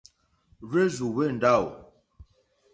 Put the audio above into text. Hwérzù hwé ndáwò.